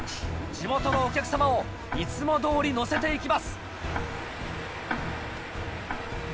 地元のお客様をいつもどおり乗せて行きます。